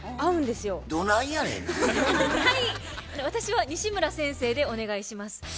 私は西村先生でお願いします。